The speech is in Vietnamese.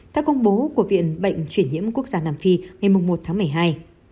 theo công bố của viện bệnh chuyển nhiễm quốc gia nam phi ngày một tháng một mươi hai